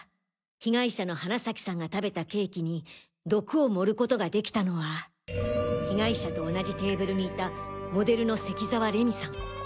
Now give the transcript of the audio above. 被害者の花崎さんが食べたケーキに毒を盛ることが出来たのは被害者と同じテーブルにいたモデルの関澤礼美さん。